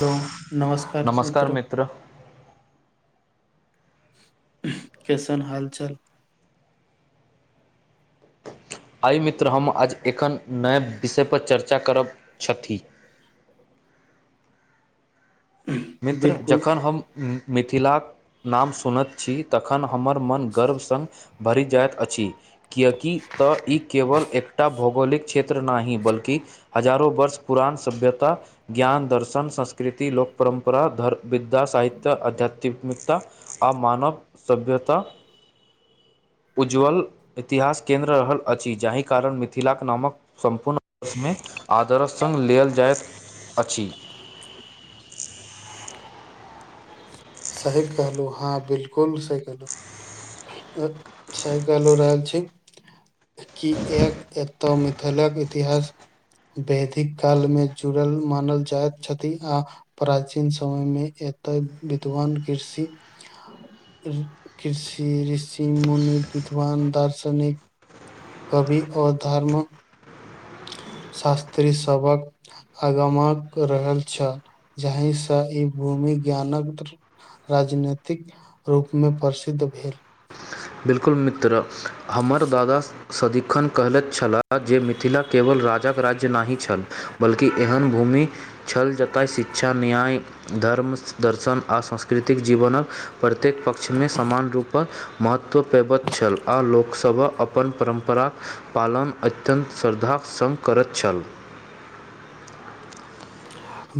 त नमस्कार मित्र कैसन हालचाल आइ मित्र हम आज एखन नय विषयपर चर्चा करब छथि ह मित्र बिलकुल जखन हम मिथिलाक नाम सुनैत छी तखन हमर मन गर्व सङ्ग भरि जाइत अछि किएकि तऽ ई केवल एकटा अपनभौगोलिक क्षेत्र नाहि बल्कि हजारो वर्ष पुरान सभ्यता ज्ञान दर्शन संस्कृत कृति ल लोकोकपरम्परा धर विद्या साहित्य अध्यत्म ता आ मानव सभ्यता उज्ज्वल इतिहास केन्द्र रहल अछि जाहि कारण मिथिलाक नामक सम्पूर्णषमे आदरश सङ्ग लेल जाइत अछि सही कहलहुँ हँ बिल्कुल सही कहलहु सहि कहल रहै छि की एक एत मिथिलाक इतिहास वैदिक काल मे जुड़ल मानल जाइत छथि आ प्राचीन समयमे एक विद्वान कृषि कृषि ऋषि मुनि विद्वान दार्शनिक कवि अ धर्म शास्त्री सबक आगमक रहल छल जाहिसँ ई भूमि ज्ञानक राजनीतिक रूपमे प्रसिद्ध भेल बिल्कुल मित्र हमर दादा सदिखन कहने छलाह जे मिथिला केवल राजाक राज्य नहि छल बल्कि एहन भूमि छल जतऽ शिक्षा न्याय धर्म दर्शन आर सांस्कृतिक जीवनक प्रत्येक पक्षमे समान रूपसँ महत्व पेबत छल आ लोकसभक अपन परम्पराक पालन अत्यन्त श्रद्धा सम करत चाल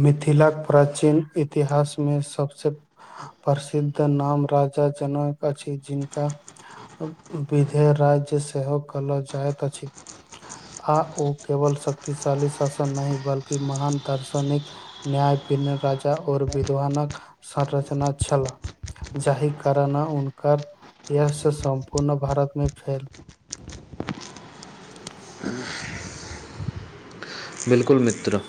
मिथिलाक प्राचीन इतिहासमे सबसँ प्रसिद्ध नाम राज जनक अछि जिनका विधेय राज्य सेहो कहल जाइत आ ओ केवल शक्तिशाली शासन नहि बल्कि महान दर्शन निक न्याय पिन राजा आओर विद्वानक संरचना छल जाहि कारण उनक य सम्पूर्ण भारतमे फैल आ [inaudible] बिलकुल मित्र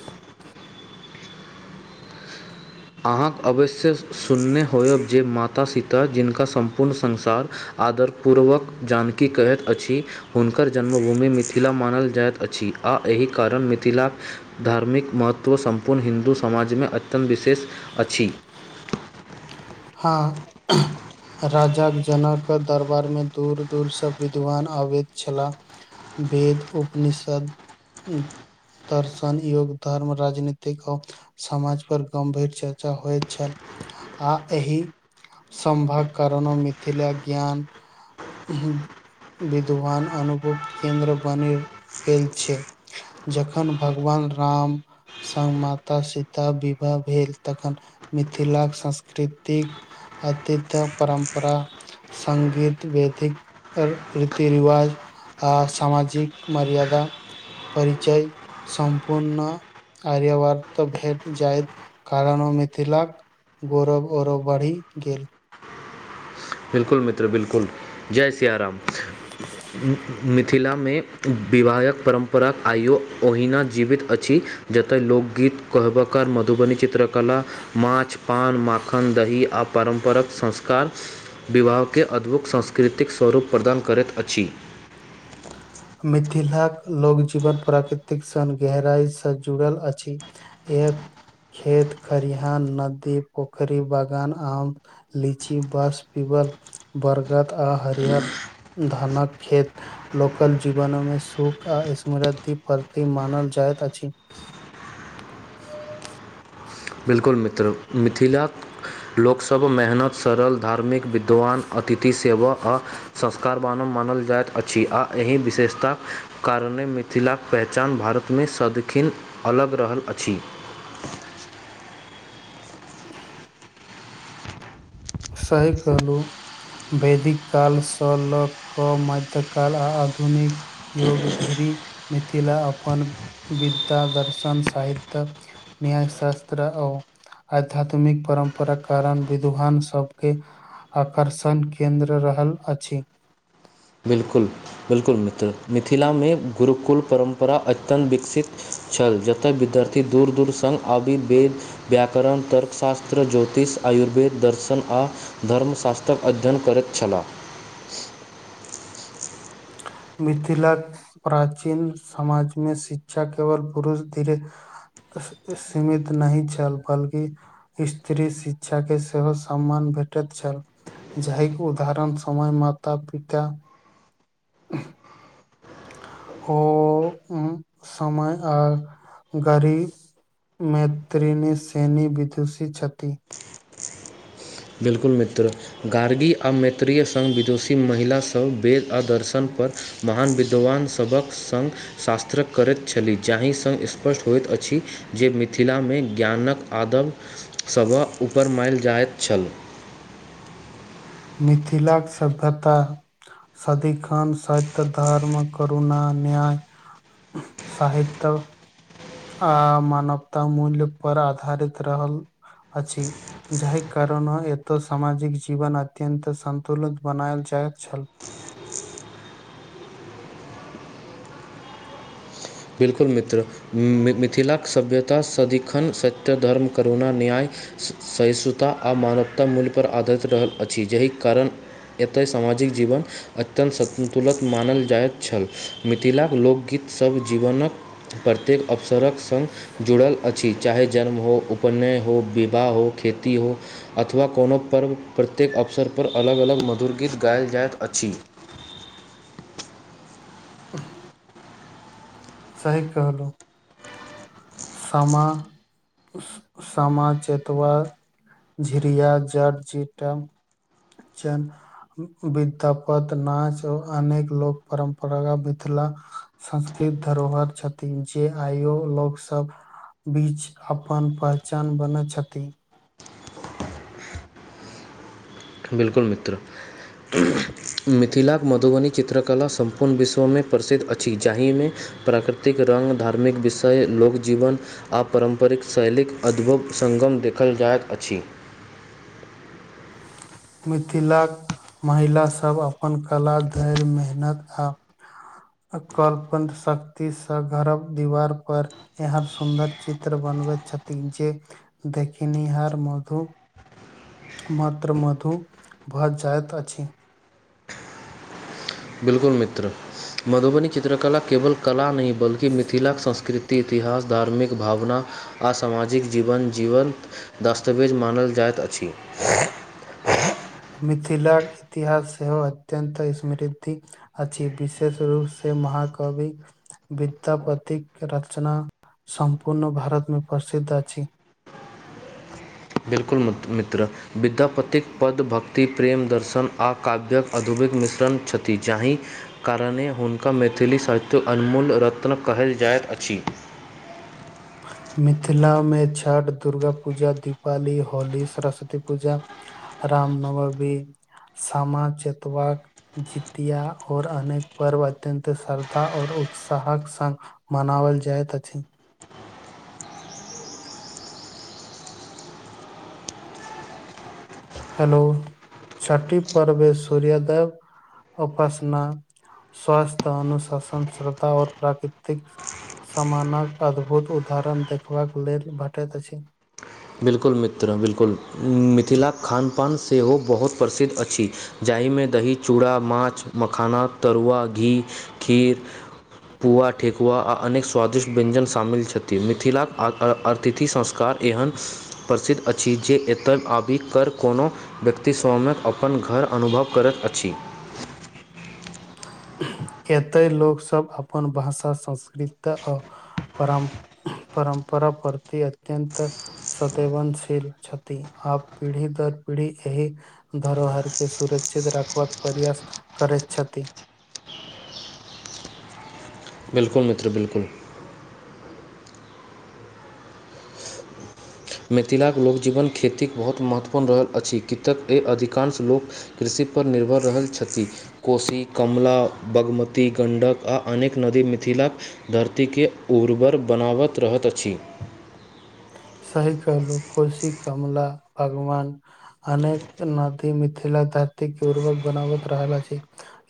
अहाँके अवश्य सुनने होयब जे माता सीता जिनका सम्पूर्ण संसार आदरपूर्वक जानकी कहैत अछि हुनकर जन्मभूमि मिथिला मानल जाइत अछि आ एहि कारण मिथिलाक धार्मिक महत्व सम्पूर्ण हिन्दू समाजमे अत्यन्त विशेष अछि हँ राजाक जनक दरबार मे दूर दूरसँ विद्वान अबैत छलाह वेद उपनिषद दर्शन योग धर्म राजनीतिक आ समाज पर गम्भीर चर्चा होइत छल ह आ एहि सम्भाग कारण मिथिला ज्ञान विद्वान अनुभव केन्द्र बाणी गेल छै जखन भगवान राम सगं माता सीता विवाह भेल तखन मिथिलाक संस्कृतिक अतित परम्परा संगीत वेदिक रीति रिवाज आ सामाजिक मर्यादा परचय सम्पूर्ण आर्य वार तऽ भेट जायत कारानो मिथिलाक गौरव अऔरव बढ़ि गेल बिलकुल मित्र बिलकुल जय सियाराम मिथिलामे विवाहक परम्पराक आइयो ओहिना जीवित अछि जतय लोकगीत कहबबाक ओकर मधुबनी चित्रकला माछ पान माखन दही आ परारम्परक संस्कार विवाहके अद्भुत सांस्कृतिक स्वरूप प्रदान करैत अछि मिथिलाक लोक जीवन प्राकृतिक सन गहराईसँ जुड़ल अछि एक खेत खरििहान नदी पोखरी बागान आम लीची बस पिबर बर्गाद आ हरियर धानक खेत लोक कल जीवनमे सुख आ स्मृद्धि प्रति मानल जाइत अछि [unintelligible] बिल्कुल मित्र मिथिला लोकसभ मेहनत सरल धार्मिक विद्वान अतिथि सेवा आ संस्कार बानव मानल जाइत अछि आ एहि विशेषताक कारणे मिथिलाक पहचान भारतमे सदखीन अलग रहल अछि [unintelligible] सही कहलु वैदिक कालसँ लऽ कऽ मध काल आ आधुनिक युग धीरे मिथिला अपन विधा दर्शन साहित्य न्यायशास्त्र आ आध्यात्मिक परम्परा कारण विद्वानसँ सभके आकर्षण केन्द्र रहल अछि बिलकुल बिलकुल मित्र मिथिलामे गुरुकुल परम्परा अत्यन्त विकसित छल जतय विद्यार्थी दूर दूर सङ्ग आबिर्वेद व्याकरण तर्कशास्त्र ज्योतिष आयुर्वेद दर्शन आ धर्मशास्त्रक अध्ययन करैत छलाह मिथिला प्राचीन समाजमे शिक्षा केवल पुरुष धीरे सीमित नहि छल बल्कि स्त्री शिक्षा के सेहो सम्मान भ भेटैत छल जाहिके उदरण समय माता पिता ओ समय आ गड़ी मैत्रीनी सेैनी विदुषीति बिल्कुल मित्र गार्गी आ मैत्रीय सघ विदुषी महिला सभ वेद आ दर्शन पर महान विद्वान सभक सङ्ग शास्त्र करैत छलीह जा जाहि सङ् स्पष्ट होइत अछि जे मिथिलामे ज्ञानक आदम सभक उ पर माइल जाइत छल मिथिलाक सभ्यता सदिखन सत्य धर्म करुणा न्याय साहित्य आ मानवता मूल्य परर आधारित रहल अछि जाहि कारण एतऽ सामाजिक जीवन अत्यत सतुलित बनाल छै जा छल बिल्कुल मित्र मिथिलाक सभ्यता सदिखन सत्य धर्मके करुना न्याय सहिष्णुता आ मानवता मूल्य परर आधारित रहल अछि जाहि कारण एतय सामाजिक जीवन अत्यन्त संतुलत मानल जाइत छल मिथिलाक लोकगीतसभ जीवनक प्रत्येक अवसरक सङ्ग जुड़ल अछि चाहे जन्म हो उपनय हो विवाह हो खेती हो अथवा कोनो पर्व प्रत्येक अवसर पर अलग अलग मधुर गीत गा कल जाइत अछि आ सही कहलहु सामा सामा चतवा झरिया जट जीटा चन विद्यापत नाच आर अनेक लोक परम्पराग मिथिला संस्कृत धरोहर छथिन जे आयो लोक सब बीच अपन पहचान बन छथिन बिलकुल मित्र मिथिलाक मधुबनी चित्रकला सम्पूर्ण विश्वमे प्रसिद्ध अछि जाहिमे प्राकृतिक रंग धार्मिक विषय लोकजीवन आ पारम्परिक शैलीक अद्भुत सं गम देखल जाइत अछि मिथिलाक महिला सब अपन कला धैर्य मेहनत आ अ कलपदं शक्ति सँ घरब दीवार पर यहाँ सुन्दर चित्र बन बनबैत छथिन जे देखिनिहार मधु मत्र मधु भ जायत अछि बिलकुल मित्र मधुबनी चित्रकला केवल कला नय बल्कि मिथिलाक संस्कृति इतिहास धार्मिक भावना आ सामाजिक जीवन जीवन दस्तावेज मानल जाइत छी मिथिलाक इतिहास सेहो अत्यत स्मृति अछि विशेष रूप से महा आ कवि विद्यापतिक रचना सम्पूर्ण भारत मे प्रसिद्ध अछि बिल्कुल मित्र मित्र विद्यापतिक पद भक्ति प्रेम दर्शन आ काव्य्यक अदूभत मिश्रण छथि जाहि कारणे हुनका मैथिली साहित्यक अनमोल रत्नक कहैल जा जायत अछि मिथिला मे छठ दुर्गा पूजा दीपाली होली सरस्वती रा राम नवबी सामा चतवा जितिया और अनेक पर्व अत्यन्त श्रद्धा आ और उत्साहक सगं मनावल जाइत अछि हेलो छठी पर्व सूर्यदेव उपासना स्वास्थ अनुशासन श्रद्धा और प्राकृतिक सामानक अद्भुत उदाहरण देखबाक लेल भेटैत अछि बिल्कुल मित्र बिलकुल मिथिलाक खानपान सेहो बहुत प्रसिद्ध अछि जा एइमे दही चूड़ा माछ मखाना तरुआ घी खीर पुआ ठेकुआ आ अनेक स्वादिष्ट व्यञ्जन शामिल छथि मिथिलाक आ आ आर्थिति संस्कार एहन [inaudible] प्रसिद्ध अछि जे एतय आबि कर कोनो व्यक्ति स्वमित अपन घर अनुभव करैत अछि [inaudible] एतै लोकसब अपन भाषा संस्कृत आ परम परम्प पर परति अत्यन्त संदवनशील छथि आ पीढ़ी दर पीढ़ी ही धरोहर के सुरक्षित राखबाक प्रयास करैत छथि [inaudible] बिलकुल मित्र बिलकुल मिथिलाक लोकजीवन खेतीक बहुत महत्वपूर्ण रहल अछि केतैक ए अधिकांश लोक कृषि पर निर्भर रहल छथि कोशी कमला बागमती गंडक आ अनेक नदी मिथिलाक धरतीके उर्वर बनाबत रहत अछि सही कलहु कोशी कमला भगवान अनेक नदी मिथिला धरती के उूर्वक बनाबत रहल आ छि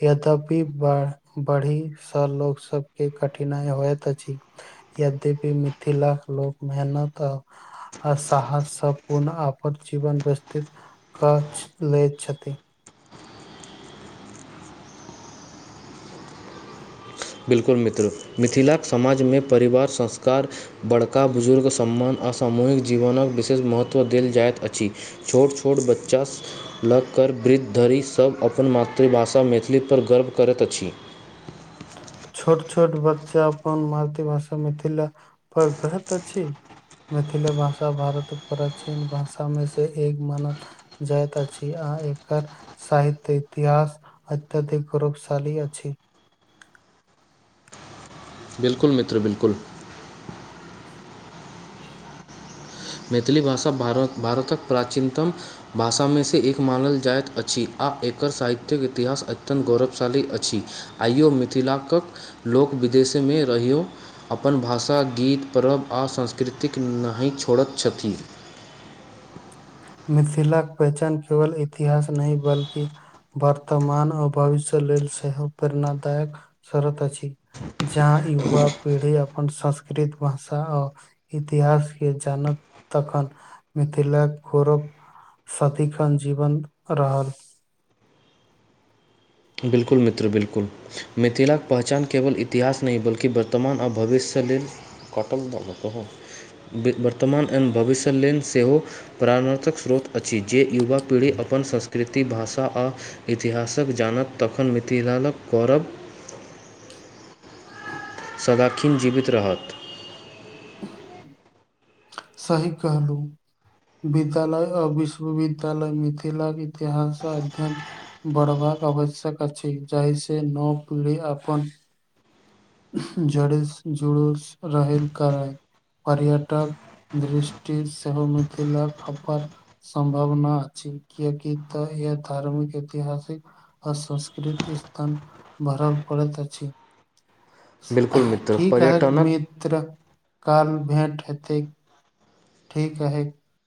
यद्यपि बाढ़ बढ़ी स लो सब के कठिनाई होइत अछि यद्यपि मिथिला लोक मेहनत अ [inaudible] आ साहसब पुनः आपन जीवन व्यस्थित कछ लै छथि बिलकुल मित्र मिथिलाक समाज मे परिवार संस्कार बड़का बुजुर्ग सम्मान आ सामूहिक जीवनक विशेष महत्व देल जाइत अछि छोट छोट बच्चा लग कर वृद्धधरि सब अपन मातृभाषा मैथिली पर गर्व करैत अछि छोट छोट बच्चा अपन मातृभाषा मिथिला पर ग्रत अछि मैथिली भाषा भारत प्राचीन भाषा मे से एक मानल जाइत अछि अ अ एकर साहित्य इतिहास अत्यधिक गौरवशाली अछि बिलकुल मित्र बिलकुल मैथिली भाषा भारत भारतक प्राचीनतम भाषा मे सँ एक मानल जाइत अछि आ एकर साहित्यक इतिहास अत्यन्त गौरवशाली अछि आइयो मिथिलाक लोक विदेशमे रहिौ अपन भाषा गीत परब आओ संस्कृतिक नहि छोड़त छथी मिथिलाक पहचान केवल इतिहास नहि बल्कि वर्तमान आ भविष्य लेल छेहो प्रेरणादायक सर्द अछि जाहा यूबा पीढ़ी अपन संस्कृत भाषा आ इतिहास के जानत तखन मिथिलाक गौरव साथीखन जीवन रहल बिल्कुल मित्र बिलकुल मिथिलाक पहचान केवल इतिहास नहि बल्की वर्तमान आ भविष्य सलिल कटम दगत ह वर्तमान एहन भविष्य लेल सेहो प्राणबर्तक स्रोत अछि जे युवा पीढ़ी अपन अपन संस्कृति भाषा आ इतिहासक जानत तखन मिथिलालक करब [unintelligible] सदाकखिण जीवित रहत सही कहलू विद्यालय आ विश्वविद्यालय मिथिलाक इतिहास अध्ययन बढ़बाद आवश्यक अछि जाहि से नओ पीढ़ी अपन [unintelligible] जड़ जुड़ूस रह करै पर्यटक दृष्टि सेहो मिथिला हार सम्भावना अ किएकि त इ धार्मिक ऐतिहासिक आ सांस्कृतिक स्थान बरल पड़ैत अछि [unintelligible] बिल्कुल मित्र ठीक है पर्यटनक मित्र कल भेंट हेतै ठीक है